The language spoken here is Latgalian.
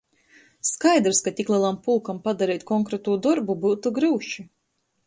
Skaidrys, ka tik lelam pulkam padareit konkretū dorbu byutu gryuši.